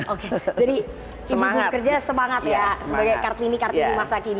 oke jadi ibu kerja semangat ya sebagai kartini kartini masa kini